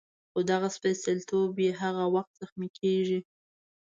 خو دغه سپېڅلتوب یې هغه وخت زخمي کېږي.